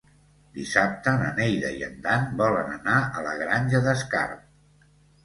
Dissabte na Neida i en Dan volen anar a la Granja d'Escarp.